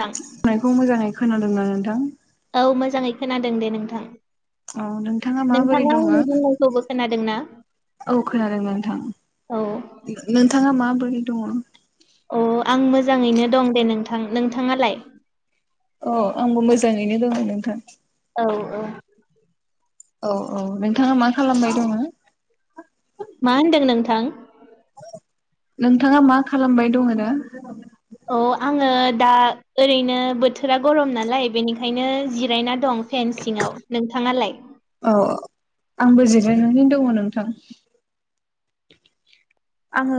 थां नायखौ मोजाङै खोनादोंना नोंथां? औ मोजाङै खोनादों दे नोंथां औ नोंथाङा माबोरै नोंथाङा दङ? आंनि बुंनायखौबो खोनादों औ खोनादों नोंथां औ नोंथाङा माबोरै दङ? ओ आं मोजाङैनो दं दे नोंथां नोंथाङालाय? ओ आंबो मोजाङैनो दङ नोंथां औ औ। औ औ नोंथाङा मा खालामबाय दङो। मा होनदों नोंथां? नोंथाङा मा खालामबाय दङ दा? औ आङो दा ओरैनो बोथोरा गरम नालाय बेनिखायनो जिरायना दं। फेनसिंआव नोंथाङालाय? औ आंबो जिरायनानै दङ नोंथां। आङो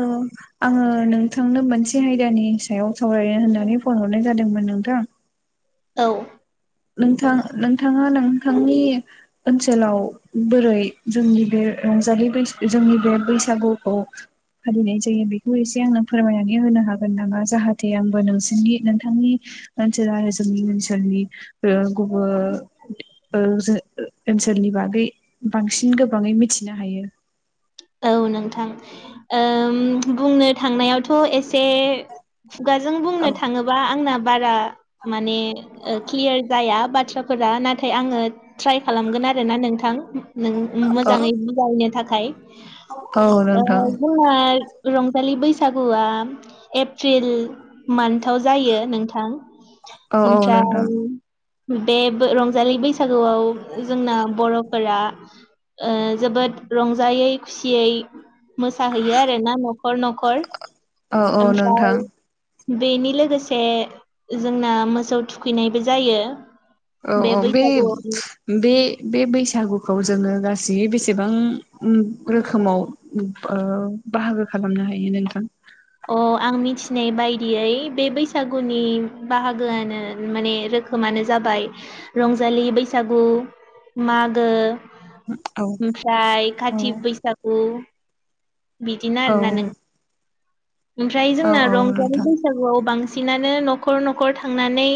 आङो नोंथांनो मोनसे आयदानि सायाव सावरायनो होननानै फन हरनाय जादों मोन नोंथां औ नोंथां नोंथाङा नोंथांनि ओनसोलाव बोरै जोंनि बे रंजालि बैस जोंनि बे बैसागुखौ फालिनाय जायो बेखौ एसे आंनो फोरमायनानै होनो हागोन नामा जाहाथे आंबो नोंसोरनि नोंथांनि। मोनसे रायजननि मोनसोरनि ओ गुबु ओ जो ओनसोलनि बागै बांसिन गोबाङै मिथि नो हायो [inaudible] औ नोंथां ओम बुंनो थांनायावथ' एसे खुगाजों औ बुंनो थाङोबा आंना बारा माने क्लियार जाया बाथ्रा फोरा नाथाय आङो ट्राइ खालामगोन आरोना नोंथां औ नों-मोजाङै बाजायनो थाखा य औ ओ नोंथां जोंहा रंजालि बैसा सागुवा एप्रिल मान्थाव जायो नोंथां औ औ नोंथां ओमफ्राय बे रंजालि बैसागुआव जोंना बर' फोरा ओ जोबोद रंजायै खुसियै मोसाहैयो आरो ना न'खर न'खर औ औ नोंथां ओमफ्राय बेनि लोगोसे जोंना मोसौ थुखैनायबो जायो। औ औ बे बे बे बैसागुखौ जोङो गासै बेसेबां रोखोमाव ओ बाहागो खालामनो हायो नोंथां ओ आं मिथिनाय बायदियै बे बैसागुनि बाहागोआनो माने रोखोमानो जाबाय रंजालि बैसागु मागो, औ ओमफ्राय औ काथि बैसागु बिदिनो औ आरोना नों ओमफ्राय औ जोंना औ रंजालि नोंथां बैसागुआव बांसि सिनानो न'खर न'खर थांनानै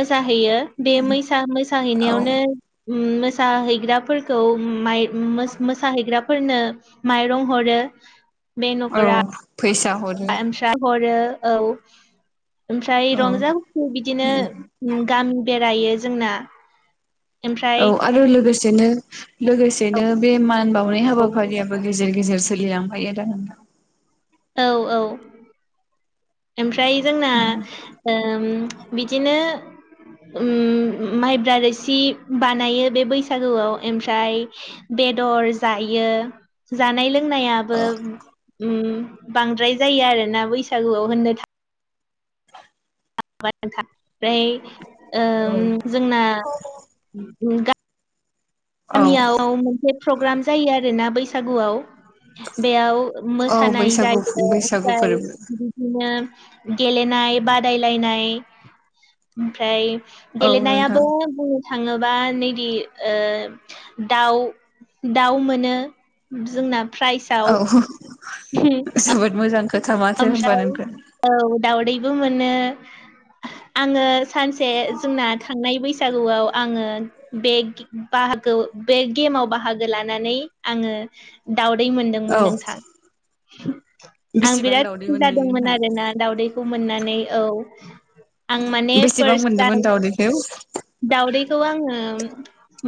मोसा हैयो बे मैसा-मोसा औ हैैनायावनो उम मोसाहैग्राफोरखौ उम माइ-मोस-मोसाहैग्राफोरनो माइरं हरो। बे औ न'करा फैसा हरो आयेमसा हरो औ ओमफ्राय औ रंजा बिदिनो गामि बेरायो जोंना। ओमफ्राय औ आरो लोगोसेनो लोगोसेनो बे मान बावनाय हाबाफारियाबो ग गेजेर गेजेर सोलि लांफायो ना। औ औ ओमफ्राय जोंना बिदिनो माइब्रा रोसि बानायो बे बैसागुआव ओमफ्राय बेदर ज जानाय लोंनाय फोरोंनायाबो बांद्राय जायो आरोना बैसागुआव होननो। ओम औ जोंना औ गामियाव मोनसे प्रग्राम जायो आरोना बैसागुआव। बेयाव औ मोसानाय बैसागु जायो बैसागु ओमफ्राय फोरबो बिदिनो गेलेनाय बादायलायनाय ओमफ्राय औ नोंथां गेलेनायाबो बुंनो थाङोबा नैदि दाउ दाउ मोनो जोंना औ प्राइजआव जोबोद मोजां। खोथा माथो होनबा नोंथां आमफ्राय दावदैबो मोनो। आङो सानसे जों थांनाय बैसो बैसागुआव आङो बे बाहागो बे गेमाव बाहागो लानानै आङो दावदै औ मोनदोंमोन नोंथां आं बेसेबां बिराद दावदै मोननाय जादोंमोन नोंहा आरो ना दावदैखौ मोननानै औ। आं माने बेसेबां फार्स्ट मोनदोंमोन टाइम दावदैखौ दावदैखौ आङो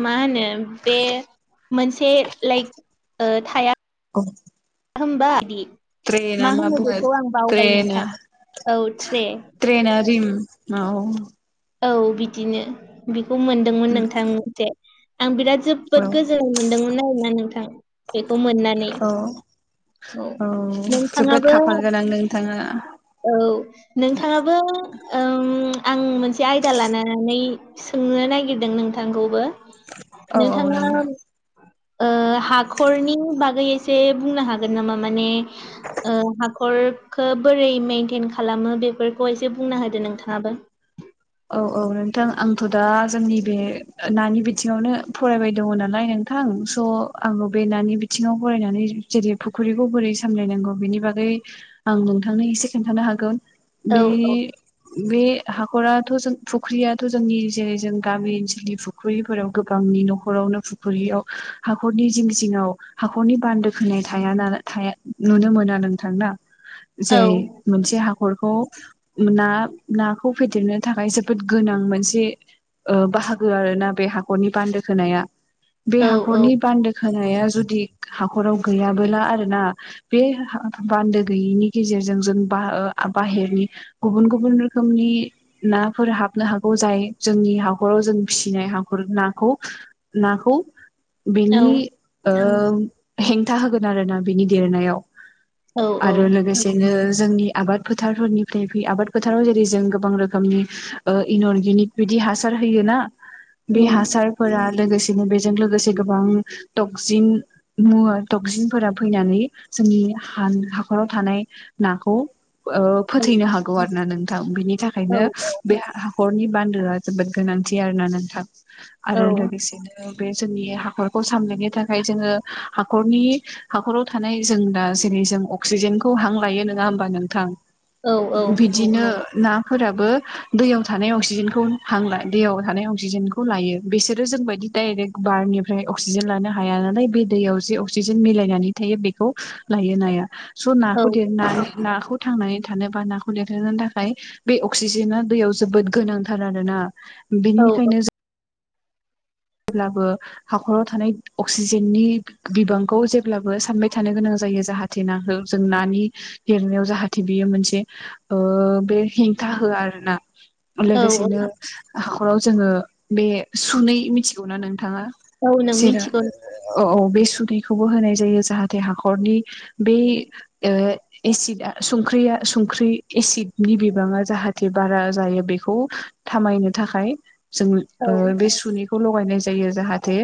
मा होनो बे मोनसे लाइक थाया ोमबादि [unintelligible] [unintelligible] मबो ना औ ट्रे ना रिम औ औ बिदिनो बेखौ मोनदोंमोन नोंथां मोनसे। आं बिराद औ जोबोद गोजोननाय मोन्दोंमोन आरोना नोंथां। बेखौ मोननानै औ औ जोबोद नोंथाङाबो खाफाल गोनां नोंथाङा। औ नोंथाङाबो आं मोनसे आयदा लानानै सोंनो नागिरदों नोंथांखौबो। औ औ लङ नोंथाङा ओ हाख'रनि बागै एसे बुंनो हागोन नामा माने हाखरखौ बोरै मेइनटेन खालामो बेफोरखौ एसे बुंना होदो नोंथाङाबो। औ औ नोंथां आंथ' दा जोंनि बे नानि बिथिङावनो फरायबाय दङ नालाय नों थां स' आङबो बे नानि बिथिङाव फरायनानै जेरै फुखुर्रिखौ बोरै सामलायनांगौ बेनि बागै आं नोंथांनो एसे खिन्थानो हागोन औ औ बे हाखरा ' जों फुख्रियाथ' जोंनि जेरै जों गामि ओनसोलनि फुख्रिफोराव गोबांनि न'खरावनो फुख्रिि बेयाव हाखरनि जिं जिंआव हाखरनि बान्दो खोनाय थानाय नुनो मोनोना नोंथां। औ जाय मोनसे हाखरखौ ना नाखौ फेदेरनो थाखाय जोबोद गोनां मोनसे बाहागो आरो ना बे हाखरनि बान्दो खोनाया। बे औ हाखरनि बान्दो होनाया जुदि हाखराव गैयाबोला आरो ना बे बान्दो गैयिनि गेजेरजों जों जों बा ओ बाहेरनि गुबुन गुबुन रोखोमनि नाफोर हाबनो हागौ। जाय जोंनि हाखराव जों फिसिनाय हाखर नाखौ नाखौ खौ औ बेनि ओ हेंथा होगोन आरोना बेनि देरनायाव। औ औ आरो लोगोसेनो जोंनि आबाद फोथारफोरनिफ्राय आबाद फोथाराव जेरै जों गोबां रो खोमनि ओ इन अर्गेनिक बिदि हासार होयोना, बे उम हासारफोरा लोगोसेनो बेजों लोगोसे गोबां टक्जिन मुवा टक्जिनफोरा फैनानै जोंनि हान हाखराव थानाय नाखौ ओ फोथैनो हागौ आरो ना नोंथां। बिनि औ थाखायनो बे हा खरनि बान्दोआ जोबोद गोनांथि आरोना नोंथां औ आरो लोगोसेनो बे जोंनि हाखरखौ सामलायनो थाखाय जोङो हाखरनि हाखराव थानाय जों दा जेरै अक्सिजेनखौ हां लायो, नोङा होमबा नोंथां? औ औ बिदिनो ना फोराबो दैयाव थानाय अक्सिजेनखौ हां ला दैयाव थानाय अक्सिजेनखौ लायो। बिसोरो जोंबायदि डाइरेक्ट बारनिफ्राय अक्सिजेन लानो हाया नालाय, बे दैयाव जे अक्सिजेन मिलायनानै थायो बेखौ लायो नाया। स' नाखौ देरना नाखौ थांनानै थानो बा नाखौ देरहोनो थाखाय बे अक्सिजेना दैयाव जोबोद गोनांथार आरोना। औ बेनिखायनो जों जेब्लाबो हाखराव थानाय अक्सिजेननि बिबांखौ जेब्लाबो सानबाय थानो गोनां जायो। जाहाथे नाखो जों नानि देरनायाव जाहाथे बियो मोनसे ओ बे हें था होया आरोना। औ लोगोसेनो हाखराव जोङो बे सुनै मिथिगौना नोंथाङा? औ नों जेरा मिथिगौ नों औ औ बे सुनैखौबो होनाय जायो जाहाथे हाखरनि बै ओ एसिडआ संख्रिया संख्रि एसिडनि बिबाङा जाहाथे बारा जायो, बेखौ थामायनो थाखाय जों औ ओ बे सुनै खौ लगायनाय जायो। जाहाथे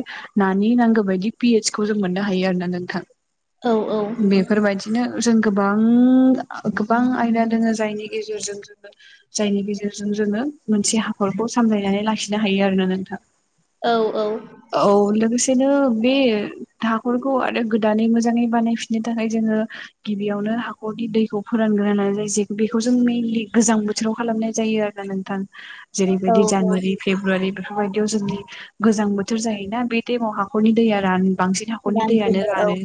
नानि नांग बायदि पि एइस खौ जों मोननो हायो आरोना नोंथां। औ बेफोरबादिनो जों गोबां गोबां आयदा दोङो जायनि गेजेरजों जोङो जायनि गेजेरजों जोङो मोनसे हाखरखौ सामलायनानै लाखिनो हायो आरोना नोंथां। औ औ औ लोगोसे नो बे हाखरखौ आरो गोदानै मोजाङै बानायफिननो थाखाय जोङो गिबियावनो हाखरनि दैखौ फोरानग्रोनाय जायो। जे बेखौ जों मेइनलि गोजां बोथोराव खालामनाय जायो आरोना नोंथां। औ जेरैबायदि औ जानुवारि, फेब्रुवारि बेफोरबायदियाव जोंनि गोजां बोथोर जायोना बे टाइमाव हाखरनि दैया रान बांसिन हाखरनि दैयानो रानजोबो औ रानो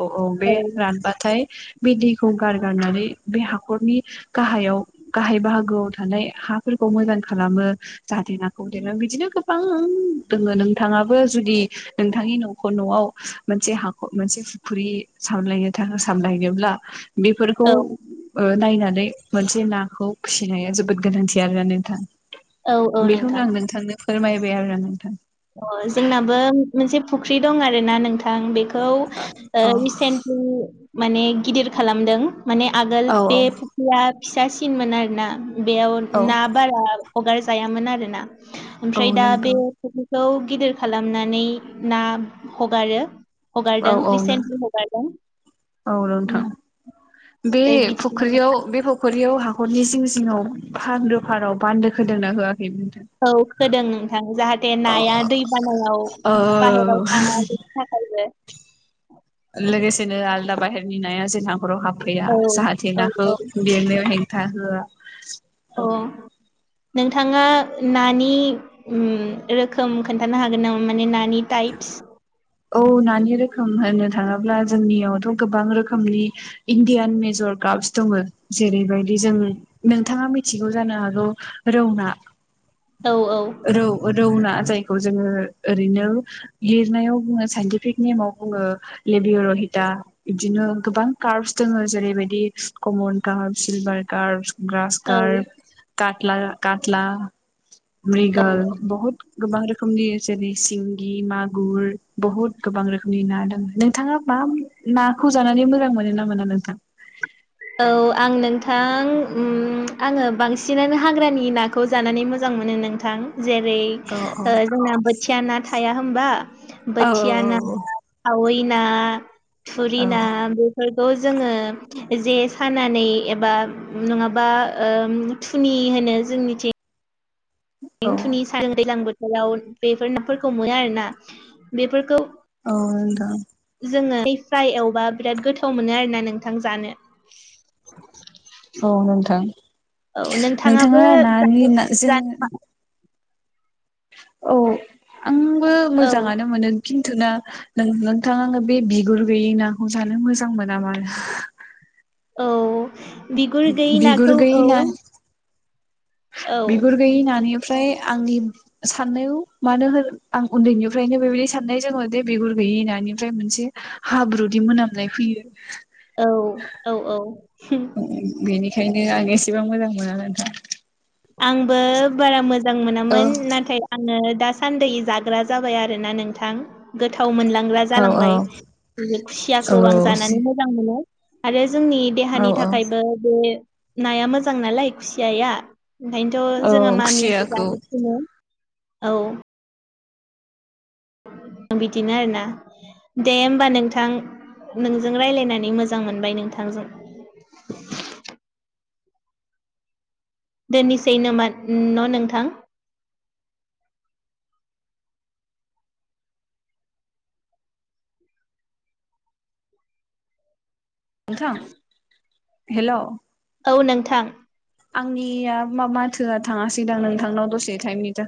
औ औ बे रानबाथाय बे दैखौ गारगारनानै बे हाखरनि गाहायाव, गाहाय बाहागोआव थानाय हाफोरखौ मोजां खालामो। जाहाथे नाखौ देरो बिदिनो गोबां दोङो। नोंथाङाबो जुदि नोंथांनि न'खर न'आव मोनसे हाखर मोनसे फुख्रि सामलायनो था सामलायनोब्ला बेफोरखौ औ नायनानै मोनसे नाखौ फिसिनाया जोबोद गोनांथि आरोना नोंथां। औ औ बेखौनो नोंथां आं नोंथांनो फोरमायबाय आरो नोंथां। अह जोंनाबो मोनसे फुख्रि दं आरो ना नोंथां। थां। बेखौ अ रिसेन्टलि माने गिदिर खालामदों। माने आगोल औ बे फुख्रिया फिसासिनमोन आरोना। बेयाव औ ना बारा हगारजायामोन आरोना। औ ओमफ्राय दा बे नोंथां फख्रि खौ गिदिर खालामनानै ना हगारो। हगारदों औ औ नों रिसेन्टलि औ हगारदों। नोंथां बे ओमफ्राय बिदिनोखौ फुख्रियाव बे फख्रियाव हा खरनि जिं जिङाव फानदो फाराव बानदो खोदोंना होआ औ खोदों नोंथां। जाहाथे नाया दै बानायाव बाहेराव ओ थाङा बेनि था [unintelligible] लोगोसेनो आलदा बाहेरनि नाया जोंहा न'खराव हाबफैया। औ जाहाथे औ नाखौ औ देरनायाव हेंथा होआ। अ। नोंथाङा नानि उम रोखोम खोनथानो हागोन नामा माने ना नानि टाइप्स औ नानि रोखोम होननो थाङोब्ला जोंनियावथ' गोबां रोखोमनि इण्डियान मेजर [unintelligible] दङो जेरैबायदि जों नोंथाङा मिथिगौ जानो हागौ रौ ना। [inaudible] रौ रौ ना जाय खौ जोङो ओरैनो लिरनायाव बुङो साइनटिफिक नेमाव बुङो लेबेयरहिथा बिदिनो गोबां कार्बस दोङो। जेरैबायदि कमन कार्बस सिलभार कार्बस ग्रास औ कार्ब, कातला कातला औ म्रिगाल बहुत गोबां रोखोमनि जेरै सिंगि मागुर बहुत गोबां रोखोमनि ना दं। नोंथाङा मा [unintelligible] नाखौ जानानै मोजां मोनो ना मोना नोंथां? [inaudible] औ आं नोंथां उम आङो बांसिनानो हाग्रानि नाखौ जानानै मोजां मोनो नोंथां जेरै औ ओ जोंना बोथिया ना थाया होमबा औ बोथिया ना, खावै ना, थुरि औ ना बेफोर थ' जोङो जे सानानै एबा नङाबा ओम थुनि होनो जोंनिथिं औ थुनि सा [unintelligible] दैज्लां बोथोराव बेफोर नाफोरखौ मोनो आरो ना। बेफोरखौ औ नोंथां। जोङो फ्राय एवबा बिराद गोथाव मोनो आरो ना नोंथां जानो। औ नोंथां। औ नोंथाङाबो नोंथाङा नानि जों औ आंबो औ मोजाङानो मोनो। खिन्थु ना नों-नोंथां आङो बे बिगुर गैयि नाखौ जानो मोजां मोना मानो। औ बिगुर गैयि बिगुर नाखौ गैयै औ। ना औ बिगुर गैयि नानि फ्राय आंनि साननायाव मानो होन आं उन्दैनिफ्रायनो बेबायदि साननाय जोङो दे बिगुर गै इ नानिफ्राय मोनसे हाब्रुदि मोनामनाय फैयो। औ औ औ। बेनिखायनो आं एसेबां मोजां मोना नोंथां। आंबो बारा मोजां औ मोनामोन। नाथाय आङो दासान्दै जाग्रा जाबाय आरो ना नोंथां। गोथाव मोनलां ग्रा औ जालांबाय। खुसियाखौ आं औ जानानै मोजां मोनो आरो जोंनि औ देहानि औ थाखायबो बे नाया मोजां नालाय खुसियाया ओंखायनोथ' जोंहा औ मामियाबो खुसियाखौ जानो थिनो औ। बिदिनो आरो ना दे होमबा नोंथां। नोंजों रायलायनानै मोजां मोनबाय नोंथांजों। दोननिसै नोमा न' नोंथां। नोंथां हेल' औ नोंथां। आंनिया मा माथोआ थाङासै दां नोंथांनाव दसे टाइमनि था